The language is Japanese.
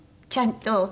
ちゃんと。